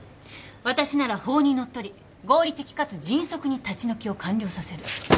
私なら法にのっとり合理的かつ迅速に立ち退きを完了させる。